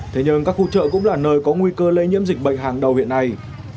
thế nhưng các khu chợ cũng là nơi có nguy cơ lây nhiễm dịch bệnh hàng đầu hiện nay